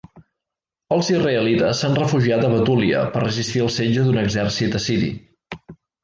Els israelites s'han refugiat a Betúlia per resistir el setge d'un exèrcit assiri.